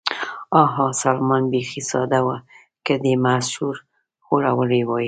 ها، ها، ها، سلمان بېخي ساده و، که دې محض ښور خوړلی وای.